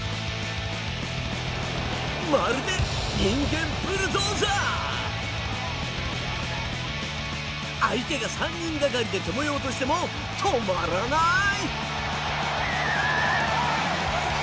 まるで相手が３人がかりで止めようとしても、止まらない！